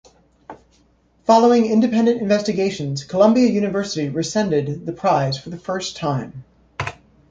Following independent investigations, Columbia University rescinded the prize for the first time.